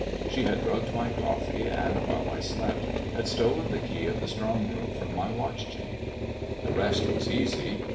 She had drugged my coffee, and, while I slept, had stolen the key of the strong room from my watch chain. The rest was easy.